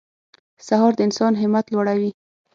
سهار د انسان همت لوړوي.